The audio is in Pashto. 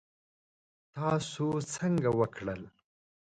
تاسو څنګه وکړل؟